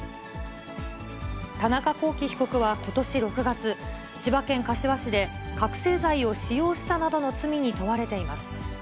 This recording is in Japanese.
田中聖被告はことし６月、千葉県柏市で、覚醒剤を使用したなどの罪に問われています。